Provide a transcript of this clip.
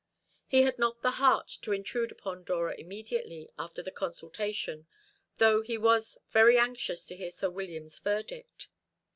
He had not the heart to intrude upon Dora immediately after the consultation, though he was very anxious to hear Sir William's verdict.